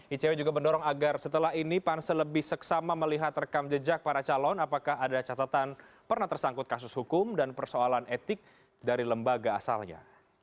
icw juga mendorong agar setelah ini pansel lebih seksama melihat rekam jejak para calon apakah ada catatan pernah tersangkut kasus hukum dan persoalan etik dari lembaga asalnya